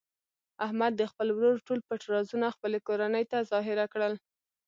احمد د خپل ورور ټول پټ رازونه خپلې کورنۍ ته ظاهره کړل.